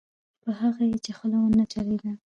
په هغه یې چې خوله ونه چلېده.